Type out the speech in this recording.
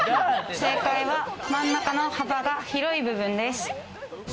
正解は真ん中の幅が広い部分です。